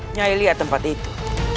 nyai lihat tempat itu